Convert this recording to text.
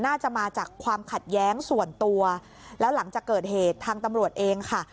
น่าจะมาจากความขัดแย้งส่วนตัวแล้วหลังจากเกิดเหตุทางตำรวจเองค่ะ